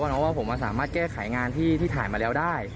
น้องว่าผมสามารถแก้ไขงานที่ถ่ายมาแล้วได้